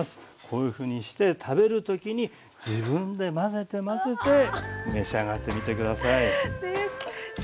こういうふうにして食べる時に自分で混ぜて混ぜて召し上がってみて下さい。